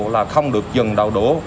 là không được dừng đào đổ